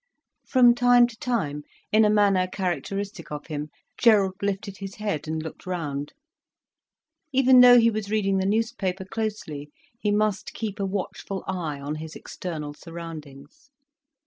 From time to time, in a manner characteristic of him, Gerald lifted his head and looked round. Even though he was reading the newspaper closely, he must keep a watchful eye on his external surroundings.